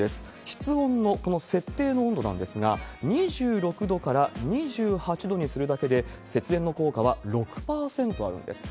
室温のこの設定の温度なんですが、２６度から２８度にするだけで、節電の効果は６％あるんです。